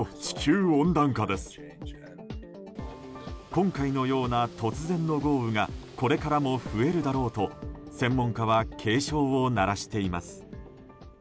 今回のような突然の豪雨がこれからも増えるだろうと専門家は警鐘を鳴らしています。